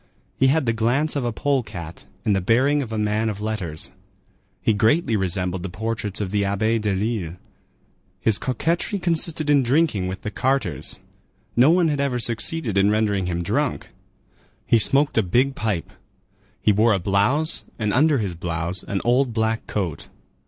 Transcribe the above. He had the glance of a pole cat and the bearing of a man of letters. He greatly resembled the portraits of the Abbé Delille. His coquetry consisted in drinking with the carters. No one had ever succeeded in rendering him drunk. He smoked a big pipe. He wore a blouse, and under his blouse an old black coat.